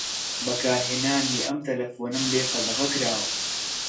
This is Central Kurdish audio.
بەکارهێنانی ئەم تەلەفۆنەم لێ قەدەغە کراوە.